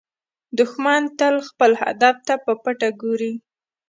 دښمن تل خپل هدف ته په پټه ګوري